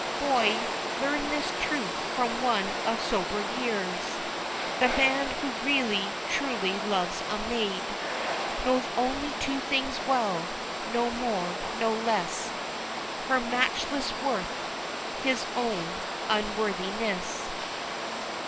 Boy, learn this truth from one of sober years, The man who really, truly, loves a maid Knows only two things well no more, no less Her matchless worth his own unworthiness."